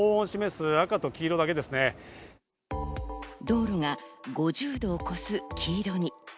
道路が５０度を超す黄色に。